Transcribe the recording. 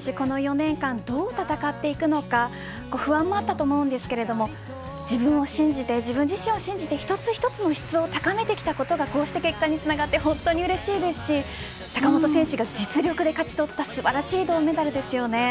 この４年間どう戦っていくのか不安もあったと思うんですが自分を信じて、自分自身を信じて一つ一つの質を高めてきたことがこうして結果につながって本当にうれしいですし坂本選手が実力で勝ち取った素晴らしい銅メダルですよね。